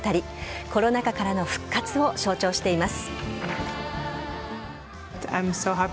コロナ禍からの復活を象徴しています。